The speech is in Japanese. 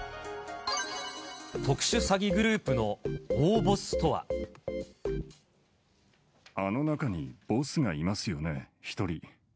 特殊詐欺グループの大ボスとあの中にボスがいますよね、１人。